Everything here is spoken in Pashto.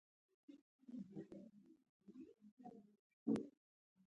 له تیرو تر ننه.